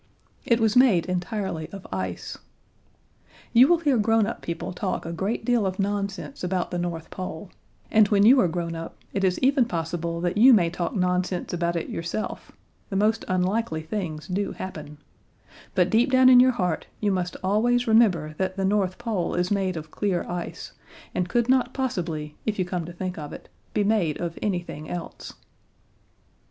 It was made entirely of ice. You will hear grown up people talk a great deal of nonsense about the North Pole, and when you are grown up, it is even possible that you may talk nonsense about it yourself (the most unlikely things do happen) but deep down in your heart you must always remember that the North Pole is made of clear ice, and could not possibly, if you come to think of it, be made of anything else.